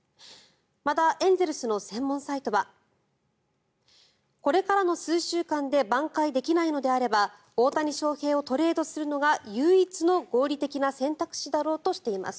また、エンゼルスの専門サイトはこれからの数週間でばん回できないのであれば大谷翔平をトレードするのが唯一の合理的な選択肢だろうとしています。